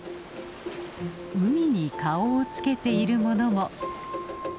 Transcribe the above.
海に顔をつけているものも。